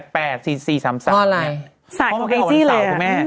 เพราะว่าใครออกวันเสาร์